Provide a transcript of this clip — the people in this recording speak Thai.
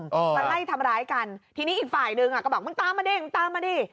มันไล่ทำร้ายกันทีนี้อีกฝ่ายหนึ่งก็บอกมึงตามมาดิ